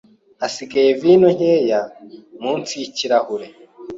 Hasigaye vino nkeya munsi yikirahure.